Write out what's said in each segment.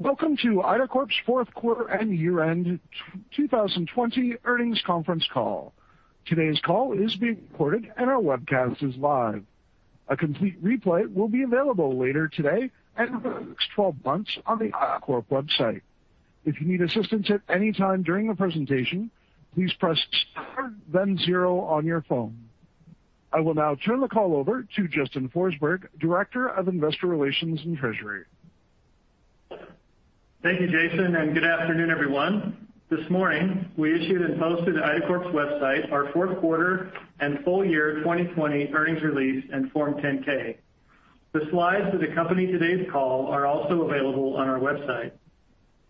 Welcome to IDACORP's fourth quarter and year-end 2020 earnings conference call. Today's call is being recorded and our webcast is live. A complete replay will be available later today and for the next 12 months on the IDACORP website. If you need assistance at any time during the presentation, please press star then zero on your phone. I will now turn the call over to Justin Forsberg, Director of Investor Relations and Treasury. Thank you, Jason, and good afternoon, everyone. This morning, we issued and posted to IDACORP's website our fourth quarter and full year 2020 earnings release and Form 10-K. The slides that accompany today's call are also available on our website.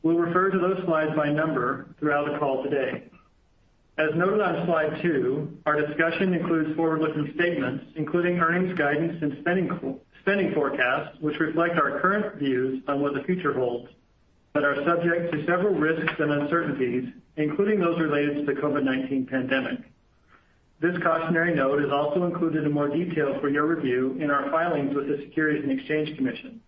We'll refer to those slides by number throughout the call today. As noted on slide two, our discussion includes forward-looking statements, including earnings guidance and spending forecasts, which reflect our current views on what the future holds, but are subject to several risks and uncertainties, including those related to the COVID-19 pandemic. This cautionary note is also included in more detail for your review in our filings with the Securities and Exchange Commission.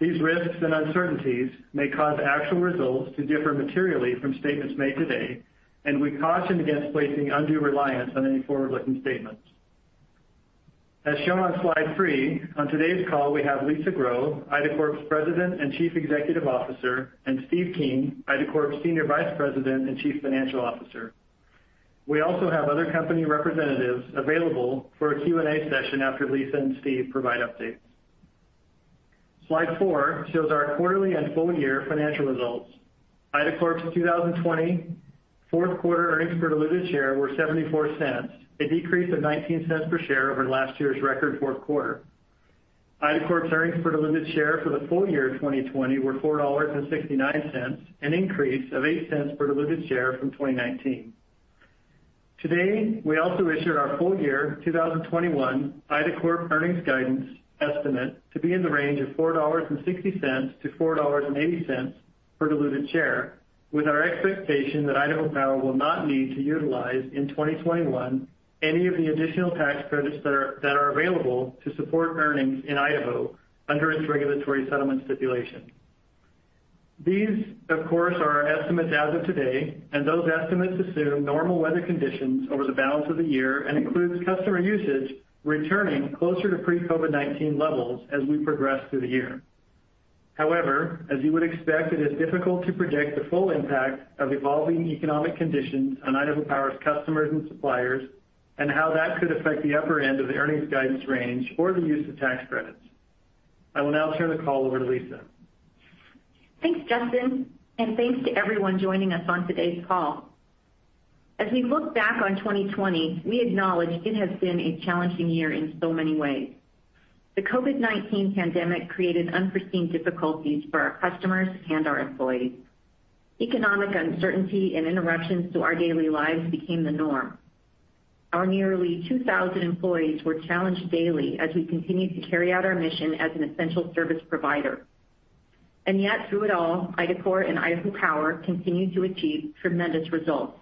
These risks and uncertainties may cause actual results to differ materially from statements made today, and we caution against placing undue reliance on any forward-looking statements. As shown on slide three, on today's call we have Lisa Grow, IDACORP's President and Chief Executive Officer, and Steve Keen, IDACORP's Senior Vice President and Chief Financial Officer. We also have other company representatives available for a Q&A session after Lisa and Steve provide updates. Slide four shows our quarterly and full year financial results. IDACORP's 2020 fourth quarter earnings per diluted share were $0.74, a decrease of $0.19 per share over last year's record fourth quarter. IDACORP's earnings per diluted share for the full year 2020 were $4.69, an increase of $0.08 per diluted share from 2019. Today, we also issued our full year 2021 IDACORP earnings guidance estimate to be in the range of $4.60-$4.80 per diluted share, with our expectation that Idaho Power will not need to utilize, in 2021, any of the additional tax credits that are available to support earnings in Idaho under its regulatory settlement stipulation. These, of course, are our estimates as of today. Those estimates assume normal weather conditions over the balance of the year and includes customer usage returning closer to pre-COVID-19 levels as we progress through the year. As you would expect, it is difficult to predict the full impact of evolving economic conditions on Idaho Power's customers and suppliers, and how that could affect the upper end of the earnings guidance range or the use of tax credits. I will now turn the call over to Lisa. Thanks, Justin, and thanks to everyone joining us on today's call. As we look back on 2020, we acknowledge it has been a challenging year in so many ways. The COVID-19 pandemic created unforeseen difficulties for our customers and our employees. Economic uncertainty and interruptions to our daily lives became the norm. Our nearly 2,000 employees were challenged daily as we continued to carry out our mission as an essential service provider. Yet through it all, IDACORP and Idaho Power continued to achieve tremendous results.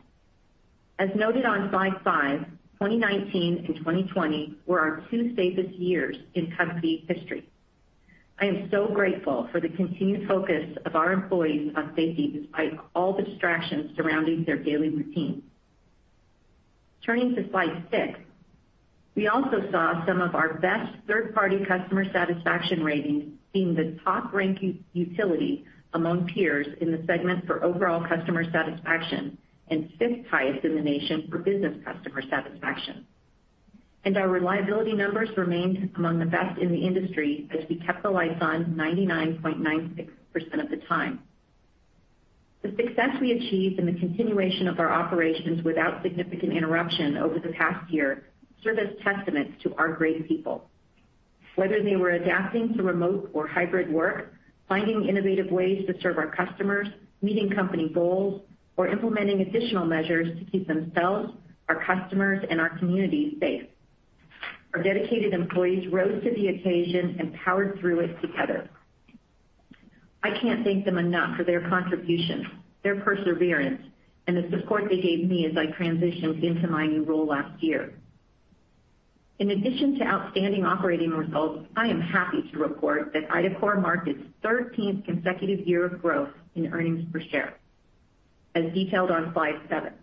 As noted on slide five, 2019 and 2020 were our two safest years in company history. I am so grateful for the continued focus of our employees on safety despite all the distractions surrounding their daily routines. Turning to slide six, we also saw some of our best third-party customer satisfaction ratings, being the top-ranking utility among peers in the segment for overall customer satisfaction and fifth highest in the nation for business customer satisfaction. Our reliability numbers remained among the best in the industry as we kept the lights on 99.96% of the time. The success we achieved and the continuation of our operations without significant interruption over the past year serve as testaments to our great people. Whether they were adapting to remote or hybrid work, finding innovative ways to serve our customers, meeting company goals, or implementing additional measures to keep themselves, our customers, and our communities safe, our dedicated employees rose to the occasion and powered through it together. I can't thank them enough for their contributions, their perseverance, and the support they gave me as I transitioned into my new role last year. In addition to outstanding operating results, I am happy to report that IDACORP marked its 13th consecutive year of growth in earnings per share, as detailed on slide seven.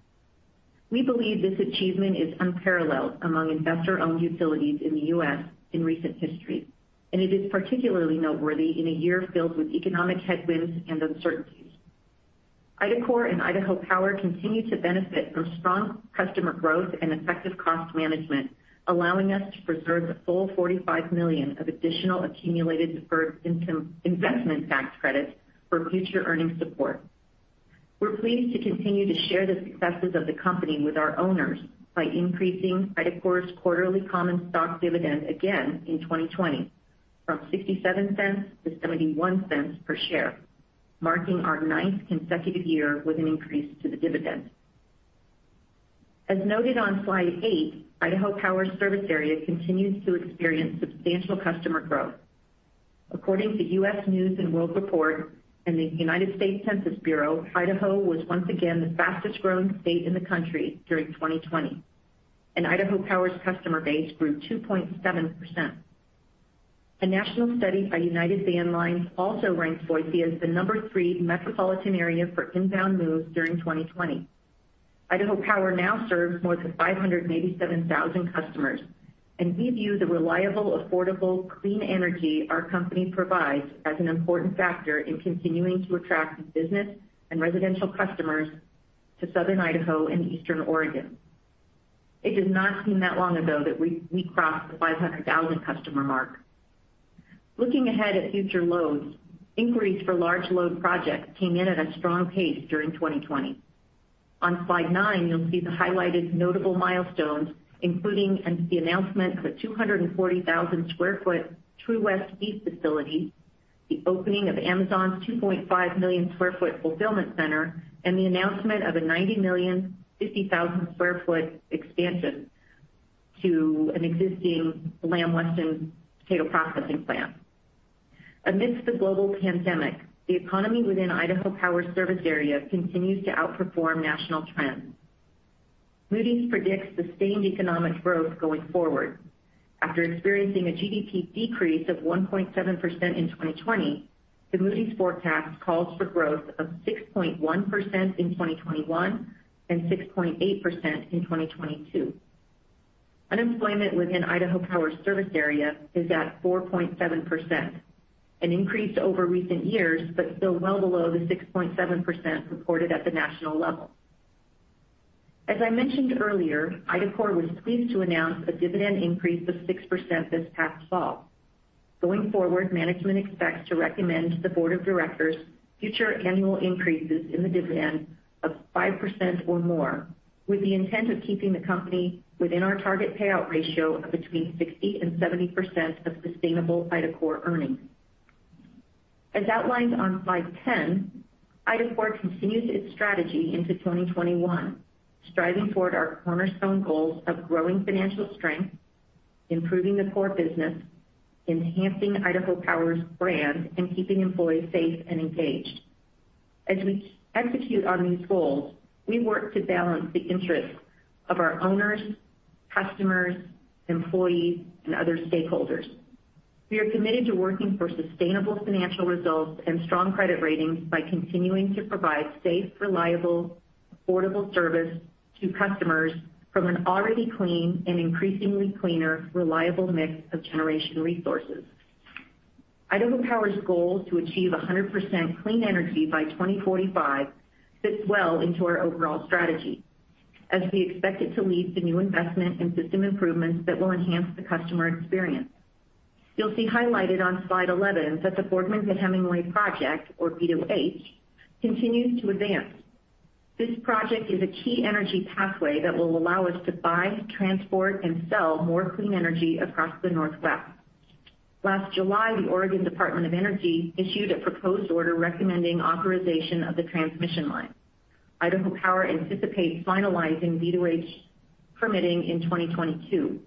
We believe this achievement is unparalleled among investor-owned utilities in the U.S. in recent history, and it is particularly noteworthy in a year filled with economic headwinds and uncertainties. IDACORP and Idaho Power continue to benefit from strong customer growth and effective cost management, allowing us to preserve the full $45 million of additional accumulated deferred investment tax credits for future earnings support. We're pleased to continue to share the successes of the company with our owners by increasing IDACORP's quarterly common stock dividend again in 2020 from $0.67-$0.71 per share, marking our ninth consecutive year with an increase to the dividend. As noted on slide eight, Idaho Power's service area continues to experience substantial customer growth. According to U.S. News & World Report and the United States Census Bureau, Idaho was once again the fastest growing state in the country during 2020. Idaho Power's customer base grew 2.7%. A national study by United Van Lines also ranks Boise as the number three metropolitan area for inbound moves during 2020. Idaho Power now serves more than 587,000 customers, and we view the reliable, affordable, clean energy our company provides as an important factor in continuing to attract business and residential customers to Southern Idaho and Eastern Oregon. It does not seem that long ago that we crossed the 500,000 customer mark. Looking ahead at future loads, inquiries for large load projects came in at a strong pace during 2020. On slide nine, you'll see the highlighted notable milestones, including the announcement of a 240,000 sq ft True West Beef facility, the opening of Amazon's 2.5 million square foot fulfillment center, and the announcement of a 90,050,000 sq ft expansion to an existing Lamb Weston potato processing plant. Amidst the global pandemic, the economy within Idaho Power service area continues to outperform national trends. Moody's predicts sustained economic growth going forward. After experiencing a GDP decrease of 1.7% in 2020, the Moody's forecast calls for growth of 6.1% in 2021 and 6.8% in 2022. Unemployment within Idaho Power service area is at 4.7%, an increase over recent years, but still well below the 6.7% reported at the national level. As I mentioned earlier, IDACORP was pleased to announce a dividend increase of 6% this past fall. Going forward, management expects to recommend to the Board of Directors future annual increases in the dividend of 5% or more, with the intent of keeping the company within our target payout ratio of between 60%-70% of sustainable IDACORP earnings. As outlined on slide 10, IDACORP continues its strategy into 2021, striving toward our cornerstone goals of growing financial strength, improving the core business, enhancing Idaho Power's brand, and keeping employees safe and engaged. As we execute on these goals, we work to balance the interests of our owners, customers, employees, and other stakeholders. We are committed to working for sustainable financial results and strong credit ratings by continuing to provide safe, reliable, affordable service to customers from an already clean and increasingly cleaner, reliable mix of generation resources. Idaho Power's goal to achieve 100% clean energy by 2045 fits well into our overall strategy as we expect it to lead to new investment and system improvements that will enhance the customer experience. You'll see highlighted on slide 11 that the Boardman to Hemingway Project, or B2H, continues to advance. This project is a key energy pathway that will allow us to buy, transport, and sell more clean energy across the Northwest. Last July, the Oregon Department of Energy issued a proposed order recommending authorization of the transmission line. Idaho Power anticipates finalizing B2H permitting in 2022, with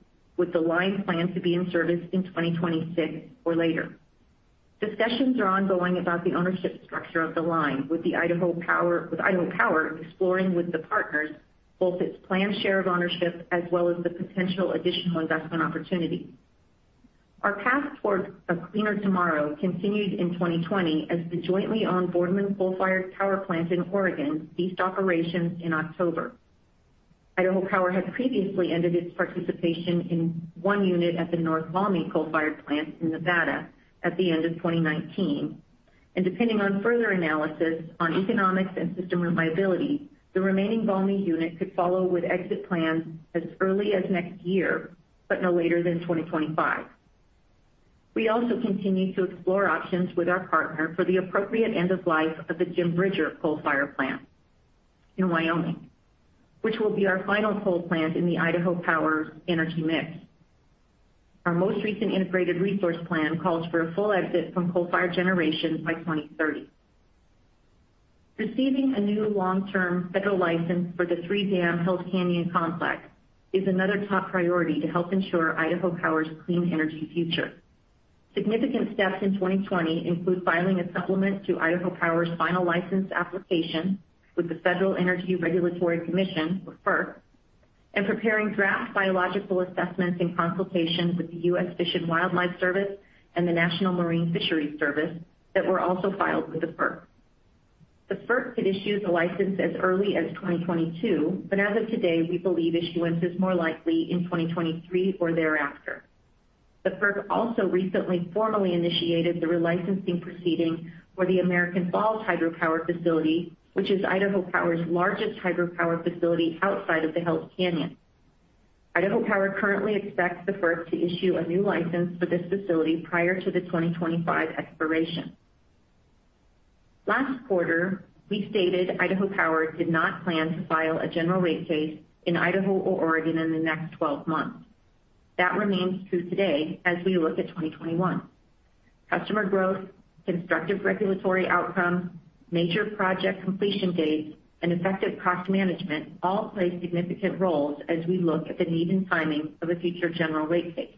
the line planned to be in service in 2026 or later. Discussions are ongoing about the ownership structure of the line, with Idaho Power exploring with the partners both its planned share of ownership as well as the potential additional investment opportunity. Our path towards a cleaner tomorrow continued in 2020 as the jointly owned Boardman Coal-Fired Power Plant in Oregon ceased operations in October. Idaho Power had previously ended its participation in one unit at the North Valmy coal-fired plant in Nevada at the end of 2019. Depending on further analysis on economics and system reliability, the remaining Valmy unit could follow with exit plans as early as next year, but no later than 2025. We also continue to explore options with our partner for the appropriate end of life of the Jim Bridger Power Plant in Wyoming, which will be our final coal plant in the Idaho Power energy mix. Our most recent integrated resource plan calls for a full exit from coal fire generation by 2030. Receiving a new long-term federal license for the three-dam Hells Canyon Complex is another top priority to help ensure Idaho Power's clean energy future. Significant steps in 2020 include filing a supplement to Idaho Power's final license application with the Federal Energy Regulatory Commission, or FERC, and preparing draft biological assessments and consultations with the U.S. Fish and Wildlife Service and the National Marine Fisheries Service that were also filed with the FERC. The FERC could issue the license as early as 2022, but as of today, we believe issuance is more likely in 2023 or thereafter. The FERC also recently formally initiated the relicensing proceeding for the American Falls hydropower facility, which is Idaho Power's largest hydropower facility outside of the Hells Canyon. Idaho Power currently expects the FERC to issue a new license for this facility prior to the 2025 expiration. Last quarter, we stated Idaho Power did not plan to file a general rate case in Idaho or Oregon in the next 12 months. That remains true today as we look at 2021. Customer growth, constructive regulatory outcomes, major project completion dates, and effective cost management all play significant roles as we look at the need and timing of a future general rate case.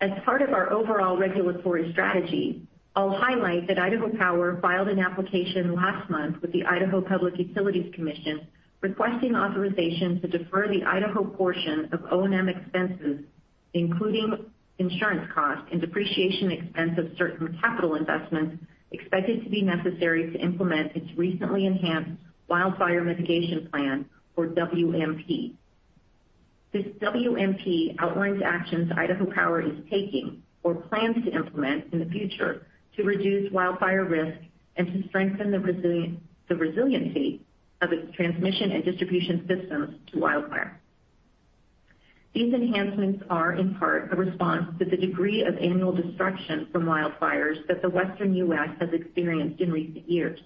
As part of our overall regulatory strategy, I'll highlight that Idaho Power filed an application last month with the Idaho Public Utilities Commission requesting authorization to defer the Idaho portion of O&M expenses, including insurance costs and depreciation expense of certain capital investments expected to be necessary to implement its recently enhanced Wildfire Mitigation Plan or WMP. This WMP outlines actions Idaho Power is taking or plans to implement in the future to reduce wildfire risk and to strengthen the resiliency of its transmission and distribution systems to wildfire. These enhancements are in part a response to the degree of annual destruction from wildfires that the western U.S. has experienced in recent years.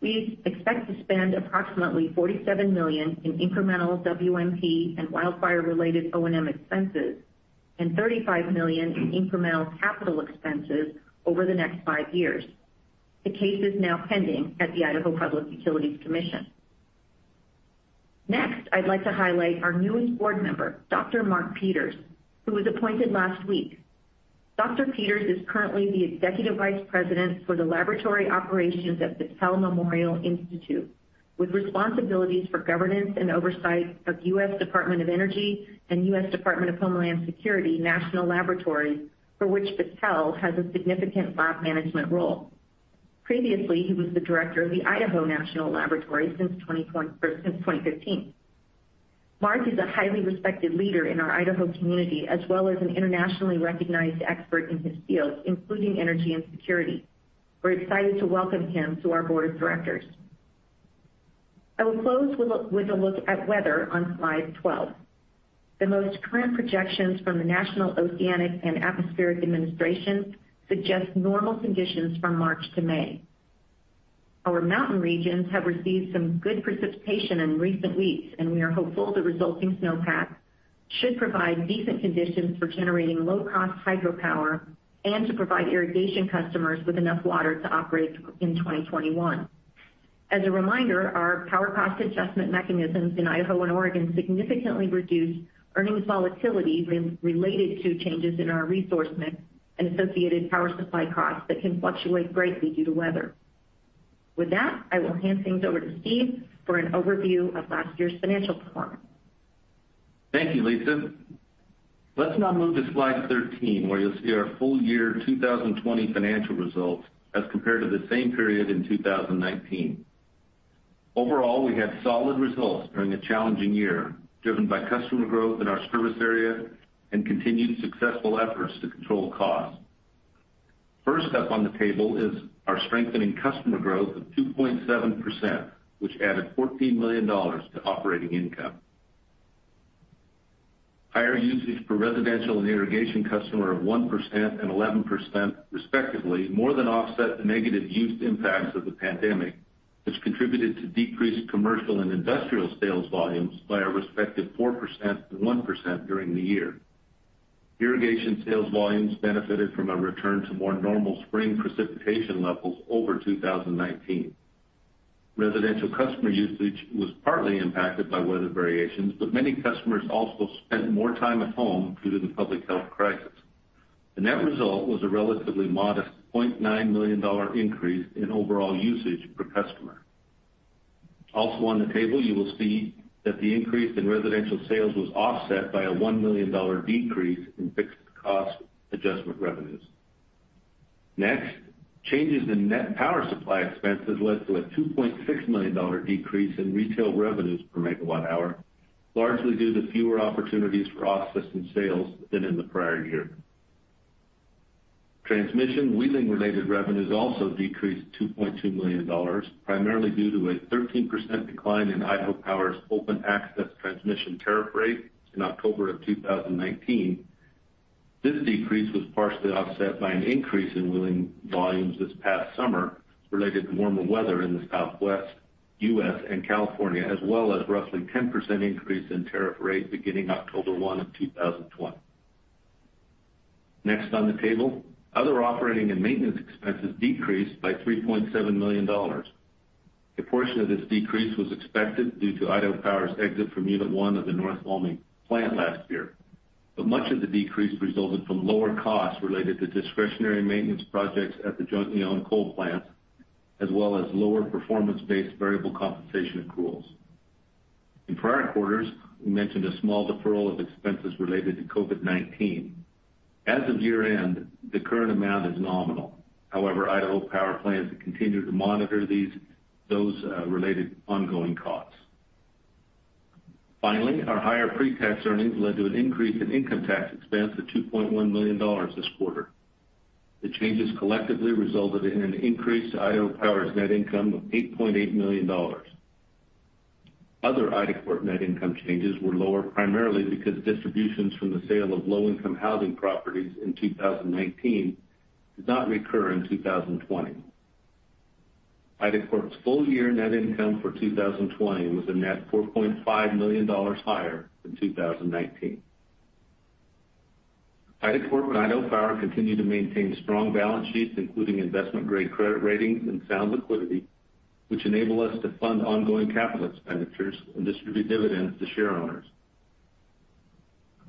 We expect to spend approximately $47 million in incremental WMP and wildfire-related O&M expenses and $35 million in incremental capital expenses over the next five years. The case is now pending at the Idaho Public Utilities Commission. Next, I'd like to highlight our newest board member, Dr. Mark Peters, who was appointed last week. Dr. Peters is currently the Executive Vice President for the Laboratory Operations at the Battelle Memorial Institute, with responsibilities for governance and oversight of U.S. Department of Energy and U.S. Department of Homeland Security national laboratories, for which Battelle has a significant lab management role. Previously, he was the director of the Idaho National Laboratory since 2015. Mark is a highly respected leader in our Idaho community as well as an internationally recognized expert in his field, including energy and security. We're excited to welcome him to our board of directors. I will close with a look at weather on slide 12. The most current projections from the National Oceanic and Atmospheric Administration suggest normal conditions from March to May. Our mountain regions have received some good precipitation in recent weeks, we are hopeful the resulting snowpack should provide decent conditions for generating low-cost hydropower and to provide irrigation customers with enough water to operate in 2021. As a reminder, our power cost adjustment mechanisms in Idaho and Oregon significantly reduce earnings volatility related to changes in our resource mix and associated power supply costs that can fluctuate greatly due to weather. With that, I will hand things over to Steve for an overview of last year's financial performance. Thank you, Lisa. Let's now move to slide 13, where you'll see our full year 2020 financial results as compared to the same period in 2019. Overall, we had solid results during a challenging year, driven by customer growth in our service area and continued successful efforts to control costs. First up on the table is our strengthening customer growth of 2.7%, which added $14 million to operating income. Higher usage per residential and irrigation customer of 1% and 11% respectively, more than offset the negative use impacts of the pandemic, which contributed to decreased commercial and industrial sales volumes by a respective 4% and 1% during the year. Irrigation sales volumes benefited from a return to more normal spring precipitation levels over 2019. Residential customer usage was partly impacted by weather variations, but many customers also spent more time at home due to the public health crisis. The net result was a relatively modest $0.9 million increase in overall usage per customer. On the table, you will see that the increase in residential sales was offset by a $1 million decrease in fixed cost adjustment revenues. Changes in net power supply expenses led to a $2.6 million decrease in retail revenues per megawatt hour, largely due to fewer opportunities for off-system sales than in the prior year. Transmission wheeling-related revenues also decreased $2.2 million, primarily due to a 13% decline in Idaho Power's open access transmission tariff rate in October of 2019. This decrease was partially offset by an increase in wheeling volumes this past summer related to warmer weather in the Southwest U.S. and California, as well as roughly 10% increase in tariff rate beginning October 1 of 2020. On the table, other operating and maintenance expenses decreased by $3.7 million. A portion of this decrease was expected due to Idaho Power's exit from unit 1 of the North Valmy plant last year. Much of the decrease resulted from lower costs related to discretionary maintenance projects at the jointly owned coal plants, as well as lower performance-based variable compensation accruals. In prior quarters, we mentioned a small deferral of expenses related to COVID-19. As of year-end, the current amount is nominal. However, Idaho Power plans to continue to monitor those related ongoing costs. Finally, our higher pre-tax earnings led to an increase in income tax expense of $2.1 million this quarter. The changes collectively resulted in an increase to Idaho Power's net income of $8.8 million. Other IDACORP net income changes were lower primarily because distributions from the sale of low-income housing properties in 2019 did not recur in 2020. IDACORP's full-year net income for 2020 was a net $4.5 million higher than 2019. IDACORP and Idaho Power continue to maintain strong balance sheets, including investment-grade credit ratings and sound liquidity, which enable us to fund ongoing capital expenditures and distribute dividends to share owners.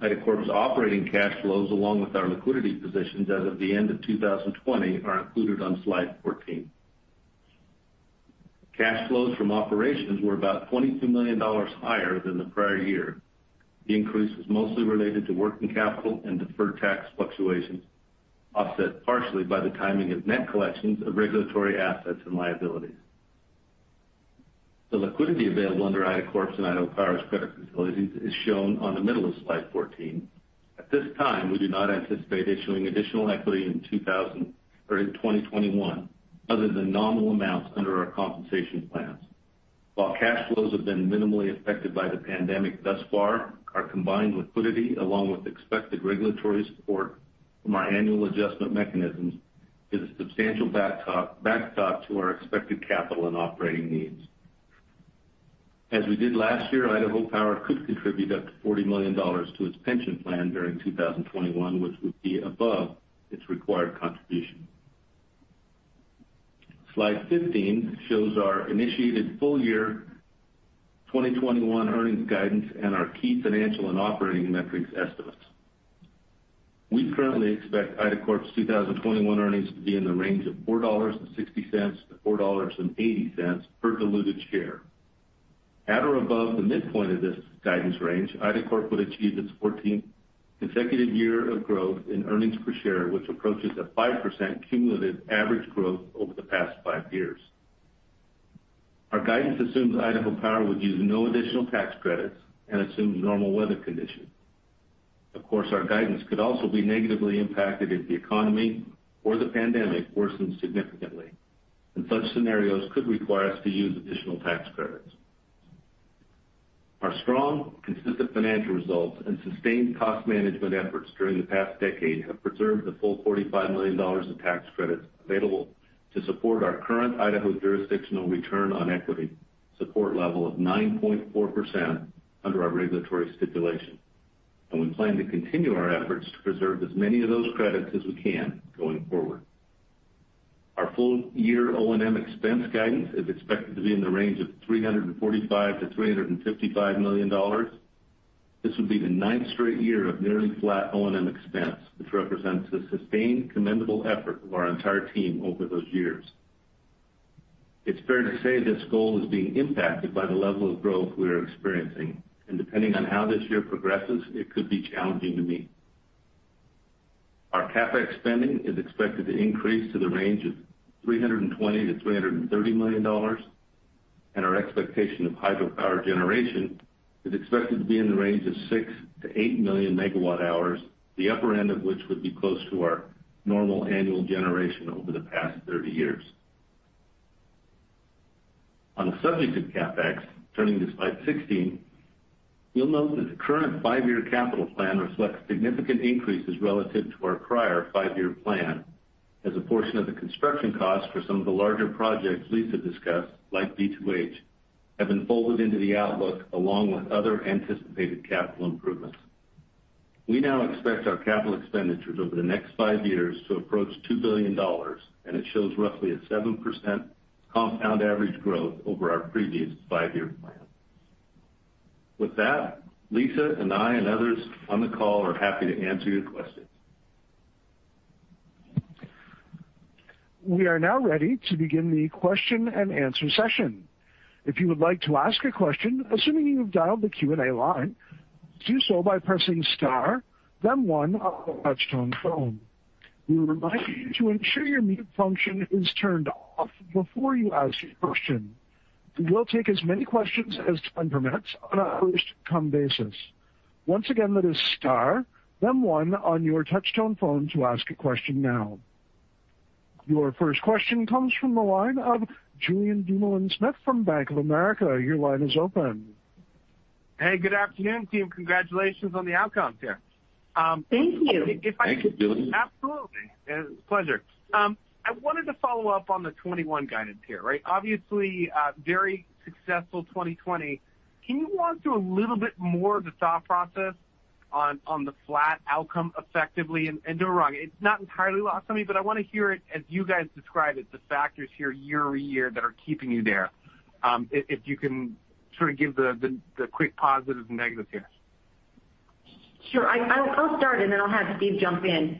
IDACORP's operating cash flows, along with our liquidity positions as of the end of 2020, are included on slide 14. Cash flows from operations were about $22 million higher than the prior year. The increase was mostly related to working capital and deferred tax fluctuations, offset partially by the timing of net collections of regulatory assets and liabilities. The liquidity available under IDACORP's and Idaho Power's credit facilities is shown on the middle of slide 14. At this time, we do not anticipate issuing additional equity in 2021 other than nominal amounts under our compensation plans. While cash flows have been minimally affected by the pandemic thus far, our combined liquidity, along with expected regulatory support from our annual adjustment mechanisms, is a substantial backstop to our expected capital and operating needs. As we did last year, Idaho Power could contribute up to $40 million to its pension plan during 2021, which would be above its required contribution. Slide 15 shows our initiated full year 2021 earnings guidance and our key financial and operating metrics estimates. We currently expect IDACORP's 2021 earnings to be in the range of $4.60-$4.80 per diluted share. At or above the midpoint of this guidance range, IDACORP would achieve its 14th consecutive year of growth in earnings per share, which approaches a 5% cumulative average growth over the past five years. Our guidance assumes Idaho Power would use no additional tax credits and assumes normal weather conditions. Of course, our guidance could also be negatively impacted if the economy or the pandemic worsens significantly, and such scenarios could require us to use additional tax credits. Our strong, consistent financial results and sustained cost management efforts during the past decade have preserved the full $45 million in tax credits available to support our current Idaho jurisdictional return on equity support level of 9.4% under our regulatory stipulation. We plan to continue our efforts to preserve as many of those credits as we can going forward. Our full-year O&M expense guidance is expected to be in the range of $345 million-$355 million. This would be the ninth straight year of nearly flat O&M expense, which represents the sustained commendable effort of our entire team over those years. It's fair to say this goal is being impacted by the level of growth we are experiencing, and depending on how this year progresses, it could be challenging to meet. Our CapEx spending is expected to increase to the range of $320 million-$330 million, our expectation of hydropower generation is expected to be in the range of 6 million-8 million megawatt hours, the upper end of which would be close to our normal annual generation over the past 30 years. On the subject of CapEx, turning to slide 16, you'll note that the current five-year capital plan reflects significant increases relative to our prior five-year plan as a portion of the construction cost for some of the larger projects Lisa discussed, like B2H, have been folded into the outlook along with other anticipated capital improvements. We now expect our capital expenditures over the next five years to approach $2 billion. It shows roughly a 7% compound average growth over our previous five-year plan. With that, Lisa and I and others on the call are happy to answer your questions. We are now ready to begin the question and answer session. If you would like to ask a question, assuming you've dialed the Q&A line, do so by pressing star then one on your touchtone phone. Also, please make sure your mute function is turned off before you ask your question. We will take as many questions as time permits on a first-come basis. Once again, that is star then one on your touchtone phone to ask a question now. Your first question comes from the line of Julien Dumoulin-Smith from Bank of America. Your line is open. Hey, good afternoon, team. Congratulations on the outcomes here. Thank you. Thank you, Julien. Absolutely. Pleasure. I wanted to follow up on the 2021 guidance here. Obviously, very successful 2020. Can you walk through a little bit more of the thought process on the flat outcome effectively? Don't get me wrong, it's not entirely lost on me, but I want to hear it as you guys describe it, the factors here year-over-year that are keeping you there. If you can sort of give the quick positives and negatives here. I'll start, and then I'll have Steve jump in.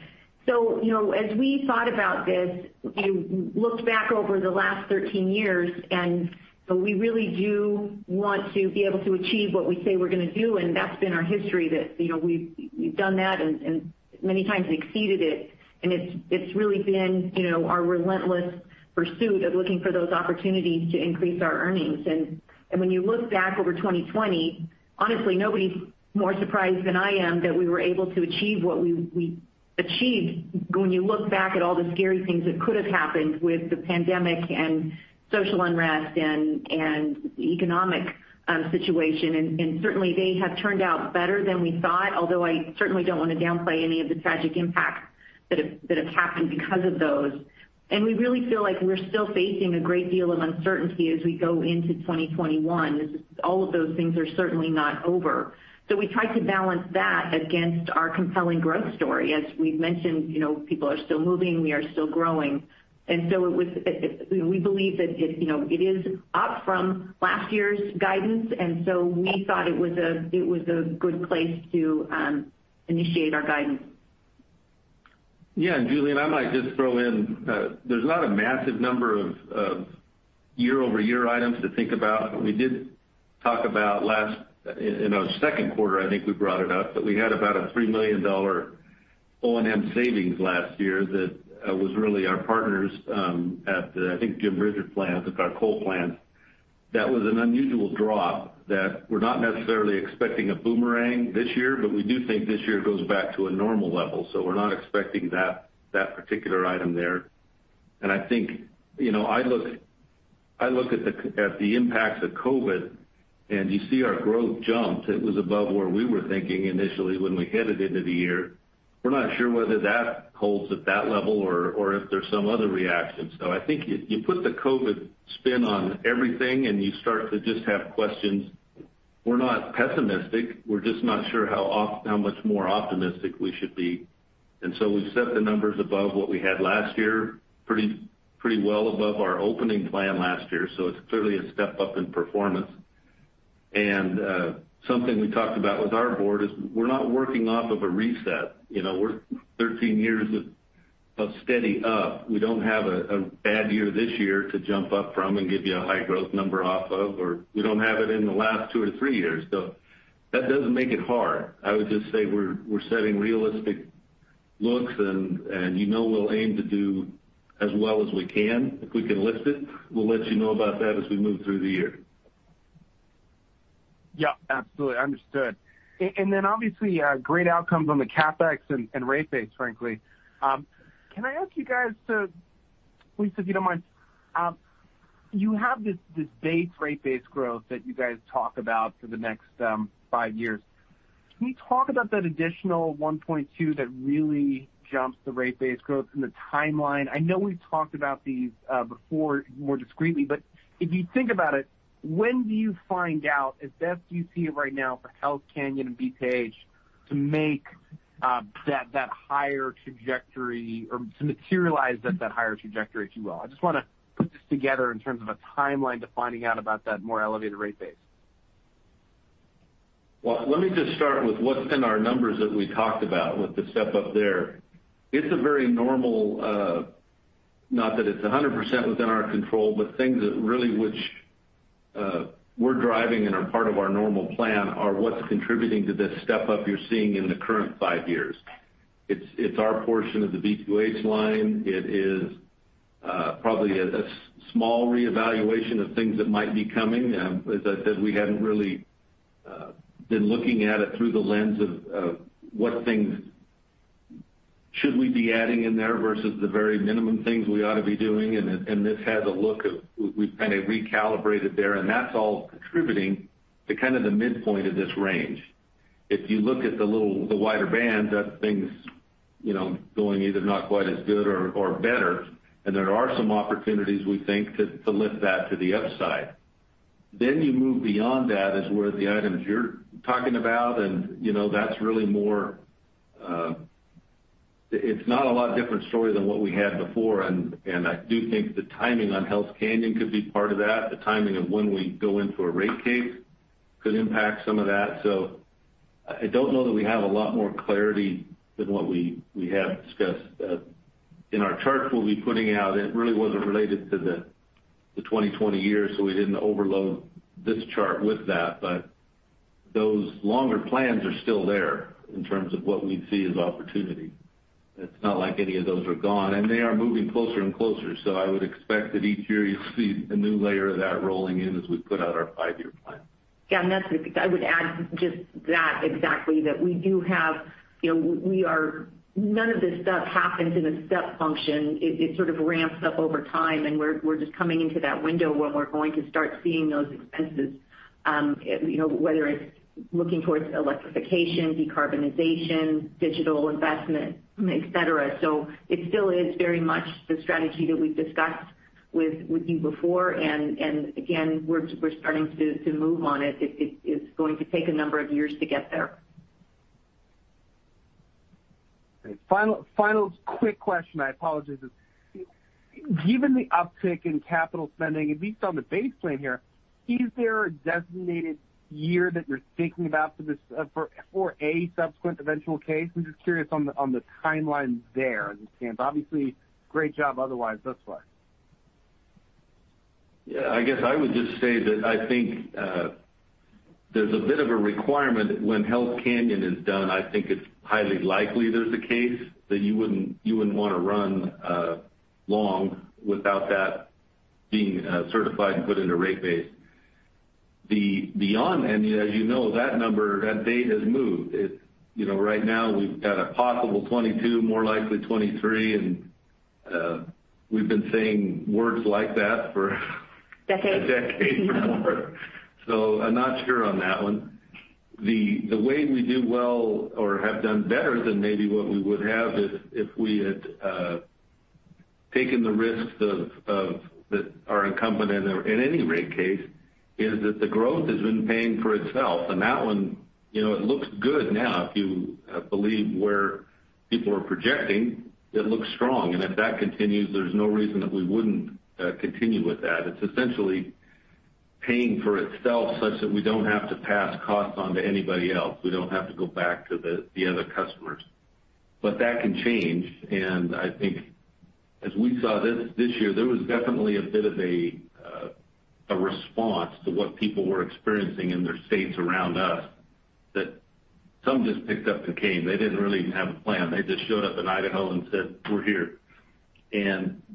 As we thought about this, we looked back over the last 13 years, we really do want to be able to achieve what we say we're going to do, and that's been our history that we've done that and many times exceeded it. It's really been our relentless pursuit of looking for those opportunities to increase our earnings. When you look back over 2020, honestly, nobody's more surprised than I am that we were able to achieve what we achieved when you look back at all the scary things that could have happened with the pandemic and social unrest and economic situation, and certainly, they have turned out better than we thought, although I certainly don't want to downplay any of the tragic impacts that have happened because of those. We really feel like we're still facing a great deal of uncertainty as we go into 2021, as all of those things are certainly not over. We try to balance that against our compelling growth story. As we've mentioned, people are still moving, we are still growing. We believe that it is up from last year's guidance, we thought it was a good place to initiate our guidance. Yeah, Julien, I might just throw in, there's not a massive number of year-over-year items to think about. We did talk about in our second quarter, I think we brought it up, that we had about a $3 million O&M savings last year that was really our partners at the, I think Jim Bridger Plant, it's our coal plant. That was an unusual drop that we're not necessarily expecting a boomerang this year, we do think this year goes back to a normal level. We're not expecting that particular item there. I think, I look at the impact of COVID-19, you see our growth jumped. It was above where we were thinking initially when we headed into the year. We're not sure whether that holds at that level or if there's some other reaction. I think you put the COVID spin on everything and you start to just have questions. We're not pessimistic. We're just not sure how much more optimistic we should be. We've set the numbers above what we had last year, pretty well above our opening plan last year. It's clearly a step up in performance. And something we talked about with our Board is we're not working off of a reset. We're 13 years of steady up. We don't have a bad year this year to jump up from and give you a high growth number off of, or we don't have it in the last two to three years. That doesn't make it hard. I would just say we're setting realistic looks and you know we'll aim to do as well as we can. If we can lift it, we'll let you know about that as we move through the year. Yeah, absolutely. Understood. Then obviously, great outcomes on the CapEx and rate base, frankly. Can I ask you guys to, Lisa, if you don't mind, you have this base rate base growth that you guys talk about for the next five years. Can you talk about that additional 1.2 that really jumps the rate base growth and the timeline? I know we've talked about these before more discreetly, but if you think about it, when do you find out as best you see it right now for Hells Canyon and B2H to make that higher trajectory or to materialize that higher trajectory, if you will? I just want to put this together in terms of a timeline to finding out about that more elevated rate base. Well, let me just start with what's in our numbers that we talked about with the step up there. It's a very normal, not that it's 100% within our control, but things that really which we're driving and are part of our normal plan are what's contributing to this step up you're seeing in the current five years. It's our portion of the B2H line. It is probably a small reevaluation of things that might be coming. As I said, we haven't really been looking at it through the lens of what things should we be adding in there versus the very minimum things we ought to be doing, and this has a look of we've kind of recalibrated there, and that's all contributing to kind of the midpoint of this range. If you look at the wider bands, that thing's going either not quite as good or better, and there are some opportunities, we think, to lift that to the upside. You move beyond that is where the items you're talking about, and that's really it's not a lot different story than what we had before, and I do think the timing on Hells Canyon could be part of that. The timing of when we go into a rate case could impact some of that. I don't know that we have a lot more clarity than what we have discussed. In our chart we'll be putting out, it really wasn't related to the 2020 year. We didn't overload this chart with that. Those longer plans are still there in terms of what we see as opportunity. It's not like any of those are gone, and they are moving closer and closer. I would expect that each year you'll see a new layer of that rolling in as we put out our five-year plan. Yeah, I would add just that exactly, that none of this stuff happens in a step function. It sort of ramps up over time, and we're just coming into that window where we're going to start seeing those expenses, whether it's looking towards electrification, decarbonization, digital investment, et cetera. It still is very much the strategy that we've discussed with you before, and again, we're starting to move on it. It's going to take a number of years to get there. Final quick question, I apologize. Given the uptick in capital spending, at least on the base plan here, is there a designated year that you're thinking about for a subsequent eventual case? I'm just curious on the timeline there. Obviously, great job otherwise thus far. Yeah, I guess I would just say that I think there's a bit of a requirement when Hells Canyon is done. I think it's highly likely there's a case that you wouldn't want to run long without that being certified and put into rate base. The on end, as you know, that number, that date has moved. Right now, we've got a possible 2022, more likely 2023, and we've been saying words like that for- Decades. a decade or more. I'm not sure on that one. The way we do well or have done better than maybe what we would have if we had taken the risks that are incumbent in any rate case is that the growth has been paying for itself. That one, it looks good now, if you believe where people are projecting, it looks strong. If that continues, there's no reason that we wouldn't continue with that. It's essentially paying for itself such that we don't have to pass costs on to anybody else. We don't have to go back to the other customers. That can change, and I think as we saw this year, there was definitely a bit of a response to what people were experiencing in their states around us, that some just picked up and came. They didn't really even have a plan. They just showed up in Idaho and said, "We're here."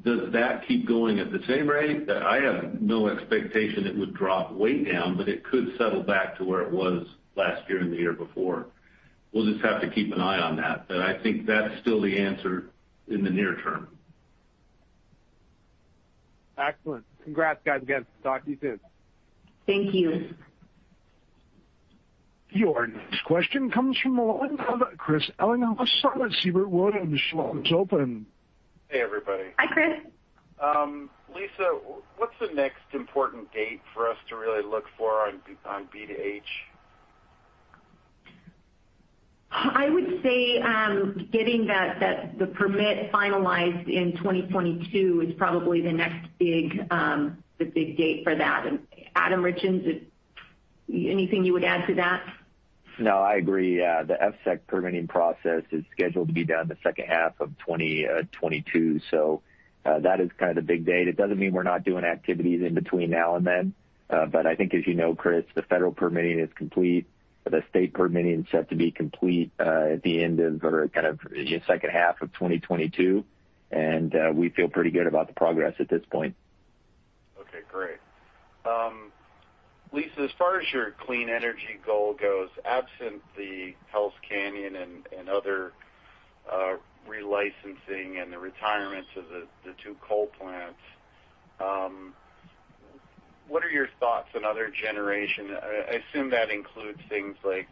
Does that keep going at the same rate? I have no expectation it would drop way down, but it could settle back to where it was last year and the year before. We'll just have to keep an eye on that. I think that's still the answer in the near term. Excellent. Congrats, guys. Again, talk to you soon. Thank you. Your next question comes from the line of Chris Ellinghaus of Siebert Williams. Your line is open. Hey, everybody. Hi, Chris. Lisa, what's the next important date for us to really look for on B2H? I would say getting the permit finalized in 2022 is probably the next big date for that. Adam Richins, anything you would add to that? No, I agree. The EFSC permitting process is scheduled to be done the second half of 2022. That is kind of the big date. It doesn't mean we're not doing activities in between now and then. I think, as you know, Chris, the federal permitting is complete. The state permitting is set to be complete at the end of or kind of second half of 2022. We feel pretty good about the progress at this point. Okay, great. Lisa, as far as your clean energy goal goes, absent the Hells Canyon and other re-licensing and the retirements of the two coal plants, what are your thoughts on other generation? I assume that includes things like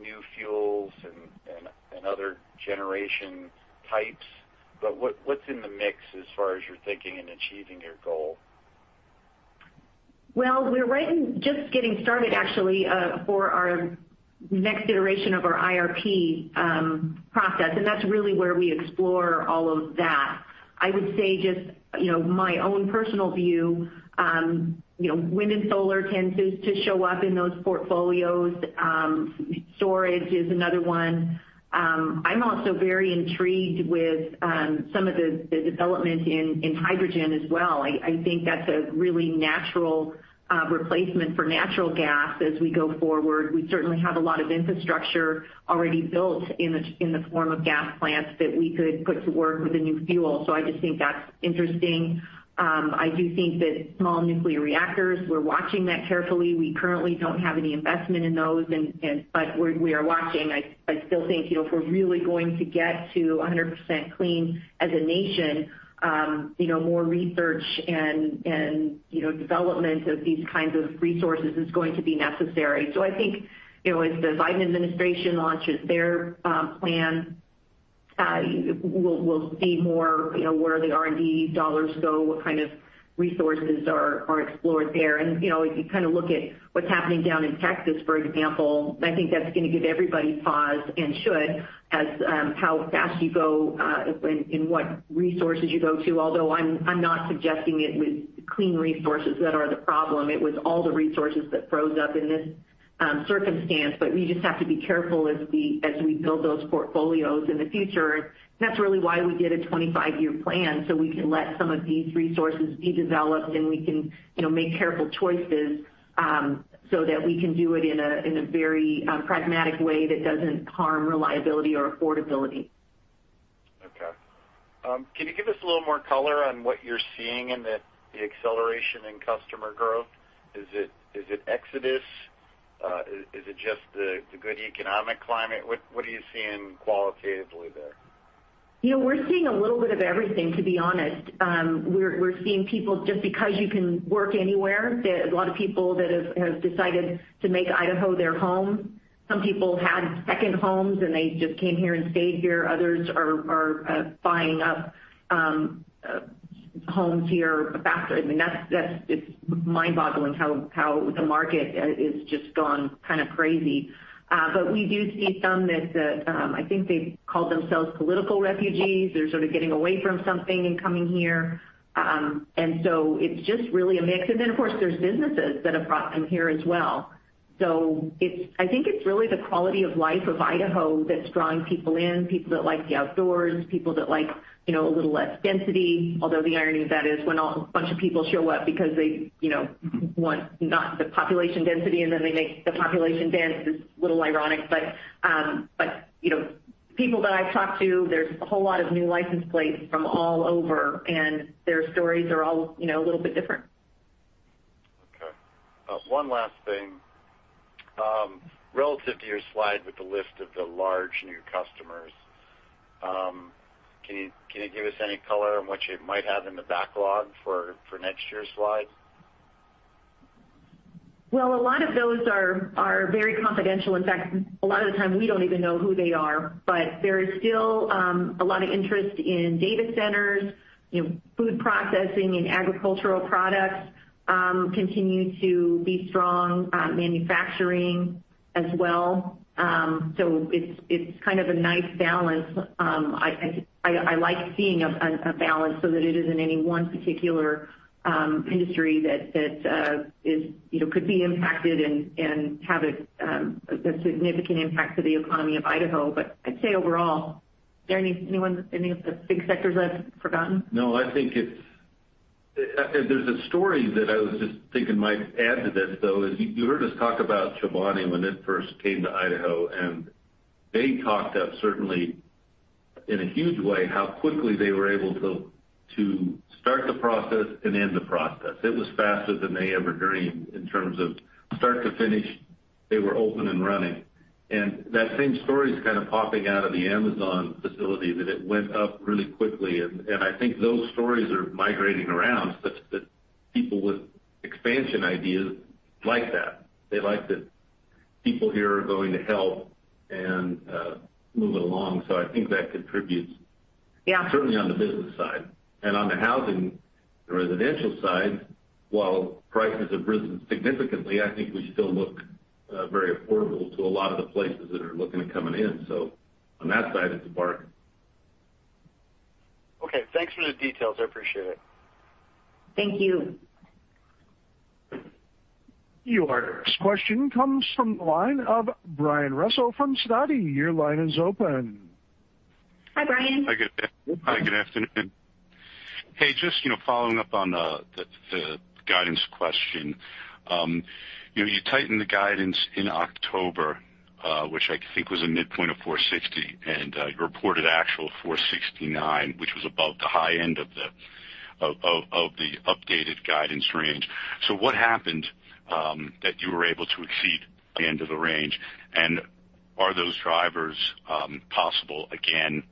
new fuels and other generation types, but what's in the mix as far as you're thinking in achieving your goal? Well, we're just getting started, actually for our next iteration of our IRP process, and that's really where we explore all of that. I would say just my own personal view, wind and solar tends to show up in those portfolios. Storage is another one. I'm also very intrigued with some of the development in hydrogen as well. I think that's a really natural replacement for natural gas as we go forward. We certainly have a lot of infrastructure already built in the form of gas plants that we could put to work with a new fuel. I just think that's interesting. I do think that small nuclear reactors, we're watching that carefully. We currently don't have any investment in those, but we are watching. I still think if we're really going to get to 100% clean as a nation, more research and development of these kinds of resources is going to be necessary. I think as the Biden administration launches their plan, we'll see more where the R&D dollars go, what kind of resources are explored there. If you look at what's happening down in Texas, for example, I think that's going to give everybody pause, and should, as how fast you go and what resources you go to. I'm not suggesting it was clean resources that are the problem. It was all the resources that froze up in this circumstance. We just have to be careful as we build those portfolios in the future. That's really why we did a 25-year plan, so we can let some of these resources be developed, and we can make careful choices so that we can do it in a very pragmatic way that doesn't harm reliability or affordability. Okay. Can you give us a little more color on what you're seeing in the acceleration in customer growth? Is it exodus? Is it just the good economic climate? What are you seeing qualitatively there? We're seeing a little bit of everything, to be honest. We're seeing people just because you can work anywhere, a lot of people that have decided to make Idaho their home. Some people had second homes, and they just came here and stayed here. Others are buying up homes here faster. It's mind-boggling how the market has just gone kind of crazy. We do see some that, I think they call themselves political refugees. They're sort of getting away from something and coming here. It's just really a mix. Then, of course, there's businesses that have brought in here as well. I think it's really the quality of life of Idaho that's drawing people in, people that like the outdoors, people that like a little less density. The irony of that is when a bunch of people show up because they want not the population density, and then they make the population dense is a little ironic. People that I've talked to, there's a whole lot of new license plates from all over, and their stories are all a little bit different. Okay. One last thing. Relative to your slide with the list of the large new customers, can you give us any color on what you might have in the backlog for next year's slide? A lot of those are very confidential. In fact, a lot of the time, we don't even know who they are. There is still a lot of interest in data centers, food processing and agricultural products continue to be strong, manufacturing as well. It's kind of a nice balance. I like seeing a balance so that it isn't any one particular industry that could be impacted and have a significant impact to the economy of Idaho. I'd say overall, anyone, any of the big sectors I've forgotten? No, I think there's a story that I was just thinking might add to this, though, is you heard us talk about Chobani when it first came to Idaho, and they talked up certainly in a huge way, how quickly they were able to start the process and end the process. It was faster than they ever dreamed in terms of start to finish, they were open and running. That same story is kind of popping out of the Amazon facility, that it went up really quickly. I think those stories are migrating around such that people with expansion ideas like that. They like that people here are going to help and move it along. I think that contributes- Yeah. certainly on the business side. On the housing, residential side, while prices have risen significantly, I think we still look very affordable to a lot of the places that are looking at coming in. On that side, it's a bargain. Okay, thanks for the details. I appreciate it. Thank you. Your next question comes from the line of Brian Russo from Sidoti. Your line is open. Hi, Brian. Hi, good afternoon. Hey, just following up on the guidance question. You tightened the guidance in October, which I think was a midpoint of $4.60, and you reported actual $4.69, which was above the high end of the updated guidance range. What happened that you were able to exceed the end of the range? Are those drivers possible again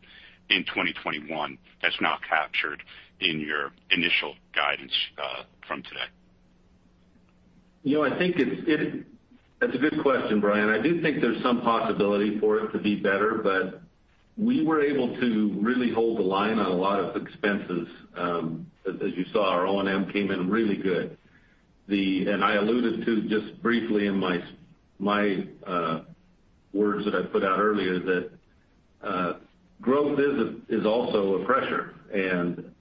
in 2021 that's not captured in your initial guidance from today? That's a good question, Brian. I do think there's some possibility for it to be better, but we were able to really hold the line on a lot of expenses. As you saw, our O&M came in really good. I alluded to, just briefly in my words that I put out earlier, that growth is also a pressure.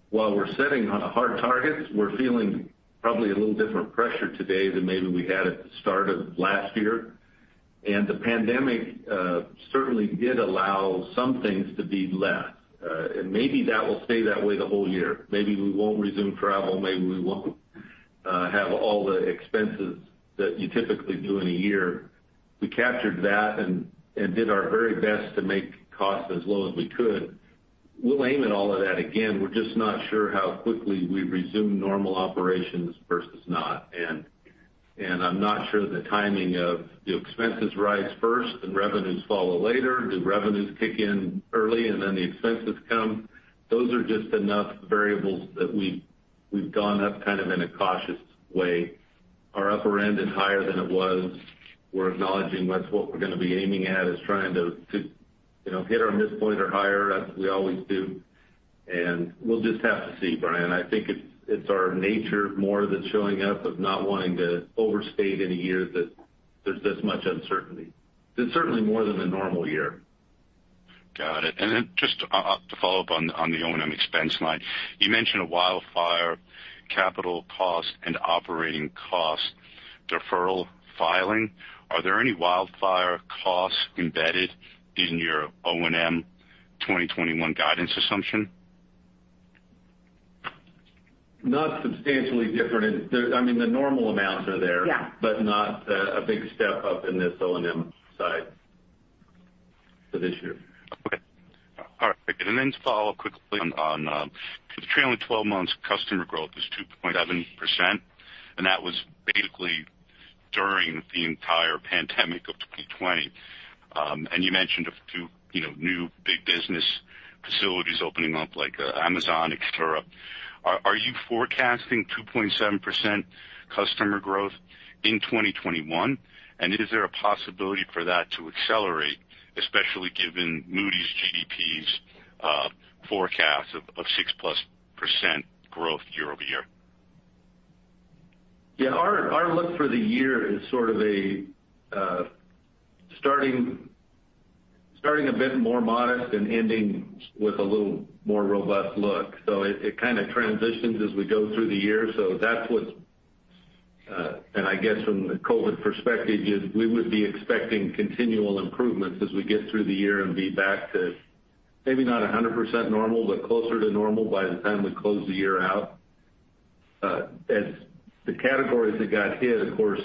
While we're setting hard targets, we're feeling probably a little different pressure today than maybe we had at the start of last year. The pandemic certainly did allow some things to be less. Maybe that will stay that way the whole year. Maybe we won't resume travel, maybe we won't have all the expenses that you typically do in a year. We captured that and did our very best to make costs as low as we could. We'll aim at all of that again. We're just not sure how quickly we resume normal operations versus not. I'm not sure the timing of do expenses rise first, then revenues follow later? Do revenues kick in early and then the expenses come? Those are just enough variables that we've gone up kind of in a cautious way. Our upper end is higher than it was. We're acknowledging that's what we're going to be aiming at, is trying to hit our midpoint or higher, as we always do. We'll just have to see, Brian. I think it's our nature more than showing up, of not wanting to overstate in a year that there's this much uncertainty. There's certainly more than a normal year. Got it. Just to follow up on the O&M expense line. You mentioned a wildfire capital cost and operating cost deferral filing. Are there any wildfire costs embedded in your O&M 2021 guidance assumption? Not substantially different. The normal amounts are there. Yeah. Not a big step-up in this O&M side for this year. Okay. All right. Then to follow up quickly on the trailing 12 months customer growth is 2.7%, and that was basically during the entire pandemic of 2020. You mentioned a few new big business facilities opening up like Amazon, et cetera. Are you forecasting 2.7% customer growth in 2021? Is there a possibility for that to accelerate, especially given Moody's GDP forecast of 6%+ growth year over year? Yeah, our look for the year is sort of a starting a bit more modest and ending with a little more robust look. It kind of transitions as we go through the year. That's what. I guess from the COVID perspective, is we would be expecting continual improvements as we get through the year and be back to maybe not 100% normal, but closer to normal by the time we close the year out. As the categories that got hit, of course,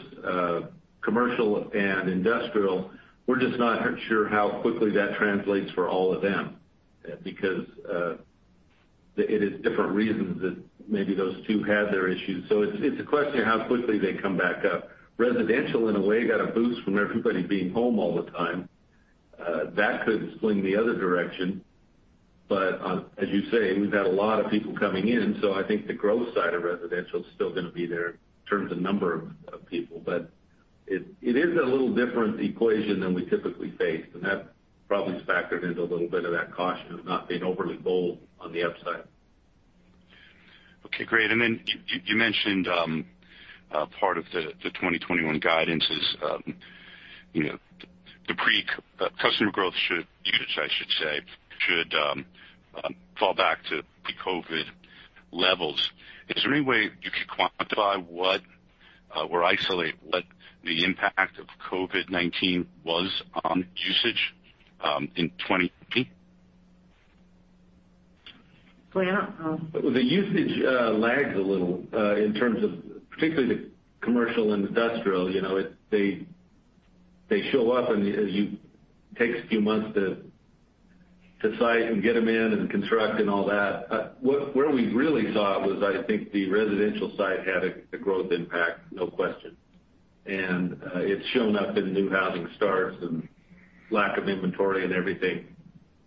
commercial and industrial, we're just not sure how quickly that translates for all of them because it is different reasons that maybe those two had their issues. It's a question of how quickly they come back up. Residential, in a way, got a boost from everybody being home all the time. That could swing the other direction. As you say, we've had a lot of people coming in, so I think the growth side of residential is still going to be there in terms of number of people. It is a little different equation than we typically face, and that probably is factored into a little bit of that caution of not being overly bold on the upside. Okay, great. Then you mentioned part of the 2021 guidance is the pre-COVID customer growth usage, I should say, should fall back to pre-COVID levels. Is there any way you could quantify or isolate what the impact of COVID-19 was on usage in 2020? Well, I don't know. The usage lags a little in terms of particularly the commercial and industrial. They show up and it takes a few months to site and get them in and construct and all that. Where we really saw it was, I think, the residential side had a growth impact, no question. It's shown up in new housing starts and lack of inventory and everything.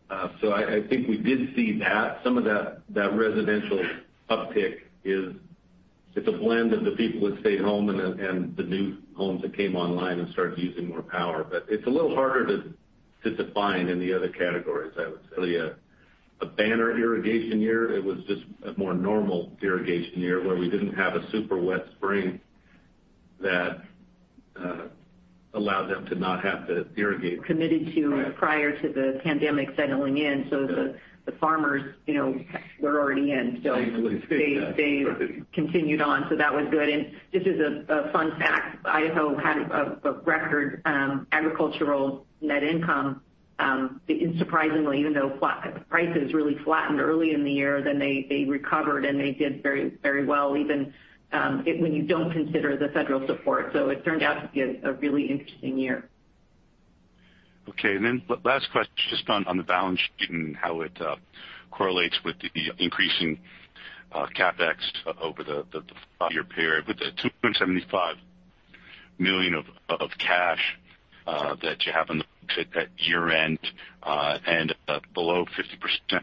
I think we did see that. Some of that residential uptick is a blend of the people that stayed home and the new homes that came online and started using more power. It's a little harder to define in the other categories, I would say. A banner irrigation year, it was just a more normal irrigation year where we didn't have a super wet spring that allowed them to not have to irrigate. Committed to prior to the pandemic settling in. The farmers were already in. They would stay. Right. They continued on. That was good. Just as a fun fact, Idaho had a record agricultural net income. Surprisingly, even though prices really flattened early in the year, then they recovered, and they did very well, even when you don't consider the federal support. It turned out to be a really interesting year. Last question, just on the balance sheet and how it correlates with the increasing CapEx over the five-year period. With the $275 million of cash that you have on the books at year-end and below 50%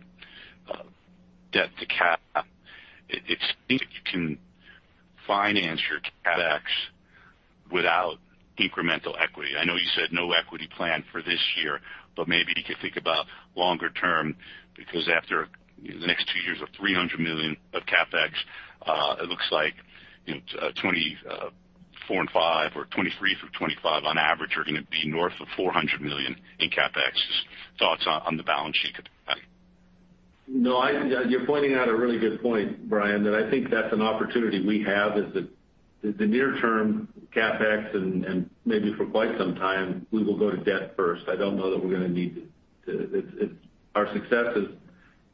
debt to cap, it seems like you can finance your CapEx without incremental equity. I know you said no equity plan for this year, maybe you could think about longer term, because after the next two years of $300 million of CapEx, it looks like 2024 and 2025 or 2023 through 2025 on average are going to be north of $400 million in CapEx. Just thoughts on the balance sheet capacity. No, you're pointing out a really good point, Brian, that I think that's an opportunity we have is the near-term CapEx and maybe for quite some time, we will go to debt first. I don't know that we're going to need to. Our success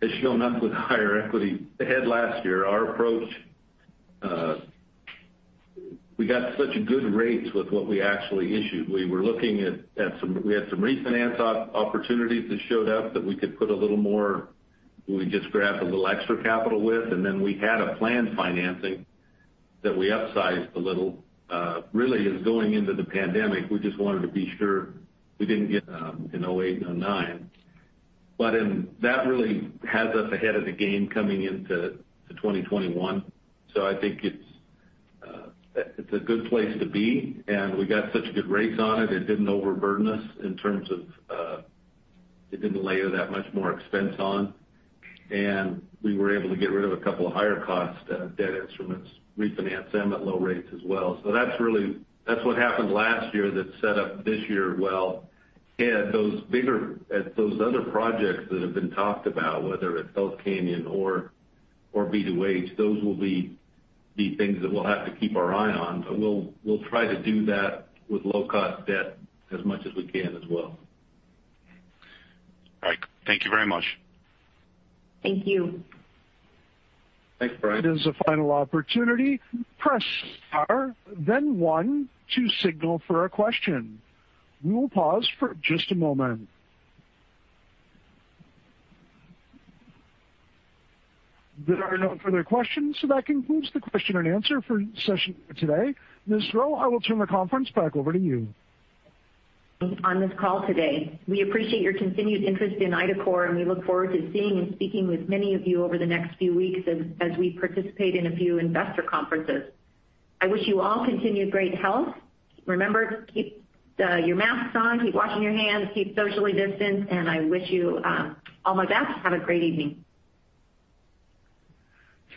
has shown up with higher equity ahead last year. Our approach, we got such good rates with what we actually issued. We had some refinance opportunities that showed up that we could put a little more, we just grabbed a little extra capital with, and then we had a planned financing that we upsized a little. This really is going into the pandemic. We just wanted to be sure we didn't get in 2008 and 2009. That really has us ahead of the game coming into 2021. I think it's a good place to be, and we got such good rates on it. It didn't overburden us in terms of it didn't layer that much more expense on. We were able to get rid of a couple of higher-cost debt instruments, refinance them at low rates as well. That's what happened last year that set up this year well. Those other projects that have been talked about, whether it's Hells Canyon or B2H, those will be the things that we'll have to keep our eye on. We'll try to do that with low-cost debt as much as we can as well. All right. Thank you very much. Thank you. Thanks, Brian. It is the final opportunity. We will pause for just a moment. There are no further questions, so that concludes the question and answer for session today. Lisa Grow, I will turn the conference back over to you. On this call today. We appreciate your continued interest in IDACORP, and we look forward to seeing and speaking with many of you over the next few weeks as we participate in a few investor conferences. I wish you all continued great health. Remember, keep your masks on, keep washing your hands, keep socially distanced, and I wish you all my best. Have a great evening.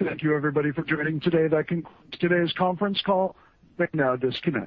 Thank you, everybody, for joining today. That concludes today's conference call. You may now disconnect.